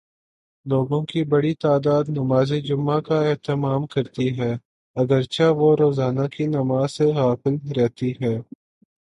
لوگوں کی بڑی تعداد نمازجمعہ کا اہتمام کرتی ہے، اگر چہ وہ روزانہ کی نماز سے غافل رہتی ہے۔